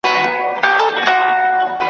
اجمل خټک زياته کړه چي